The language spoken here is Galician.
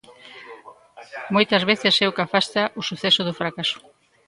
Moitas veces é o que afasta o suceso do fracaso.